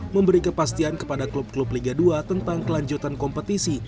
memberi kepastian kepada klub klub liga dua tentang kelanjutan kompetisi